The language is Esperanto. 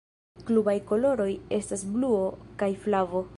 Klubaj koloroj estas bluo kaj flavo.